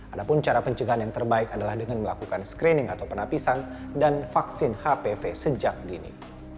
ada pun cara pencegahan yang terbaik adalah dengan melakukan screening atau penapisan dan vaksin hpv sejak dini